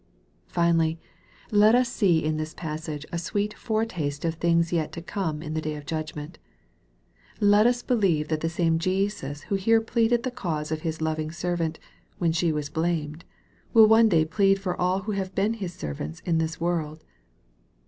Finally, let us see in this passage a sweet foretaste of things yet to come in the day of judgment. Let us believe that the same Jesus who here pleaded the cause of His loving servant, when she was blamed, will one day plead for all who have been His servants in this world.